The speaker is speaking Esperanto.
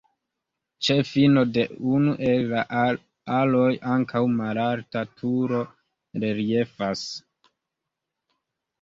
Ĉe fino de unu el la aloj ankaŭ malalta turo reliefas.